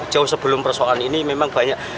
jauh sebelum persoalan ini memang banyak